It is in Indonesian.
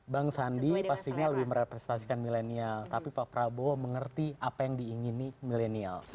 bang sandi pastinya lebih merepresentasikan milenial tapi pak prabowo mengerti apa yang diingini milenials